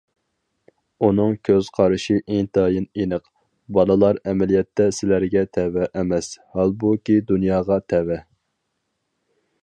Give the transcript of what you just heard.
ئۇنىڭ كۆز قارىشى ئىنتايىن ئېنىق، بالىلار ئەمەلىيەتتە سىلەرگە تەۋە ئەمەس، ھالبۇكى دۇنياغا تەۋە.